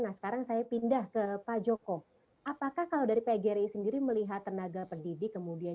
nah sekarang saya pindah ke pak joko apakah kalau dari pgri sendiri melihat tenaga pendidik kemudian